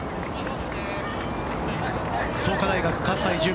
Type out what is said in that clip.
創価大学、葛西潤